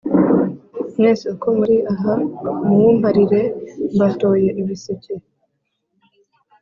mwese uko muri aha muwumparire: mbatoye ibiseke!”